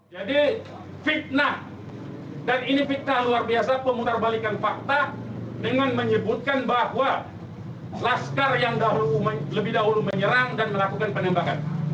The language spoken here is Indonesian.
jadi fitnah dan ini fitnah luar biasa pemutarbalikan fakta dengan menyebutkan bahwa laskar yang lebih dahulu menyerang dan melakukan penembakan